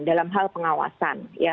dalam hal pengawasan